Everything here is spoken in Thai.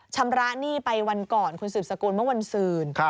ชำระหนี้ไปวันก่อนคุณสืบสกุลเมื่อวันศืน